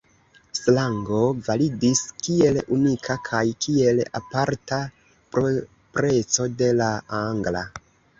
Slango validis kiel unika kaj kiel aparta propreco de la angla.